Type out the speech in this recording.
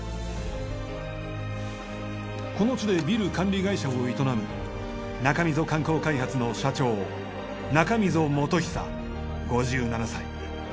この地でビル管理会社を営む中溝観光開発の社長中溝茂寿５７歳。